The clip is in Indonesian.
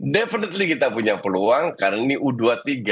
definitely kita punya peluang karena ini u dua puluh tiga